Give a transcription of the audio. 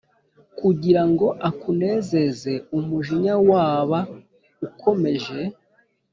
Kugira ngo akunezeUmujinya waba ukomeje